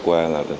qua thời gian